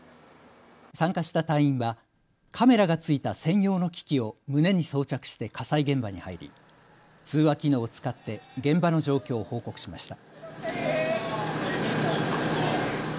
参加した隊員はカメラが付いた専用の機器を胸に装着して火災現場に入り通話機能を使って現場の状況を報告しました。